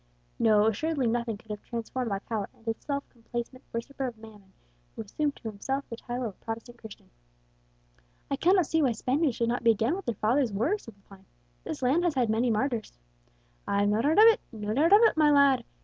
No; assuredly nothing could have transformed Alcala into the self complacent worshipper of Mammon, who assumed to himself the title of a Protestant Christian. "I cannot see why Spaniards should not be again what their fathers were," said Lepine. "This land has had many martyrs." "I've no doubt of it, no doubt of it, my lad.